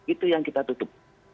itu yang kita tutup